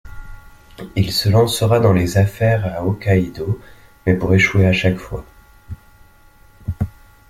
Il se lancera dans les affaires à Hokkaidô mais pour échouer à chaque fois.